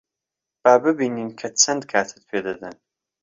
با ببینین کە چەند کاتت پێ دەدەن.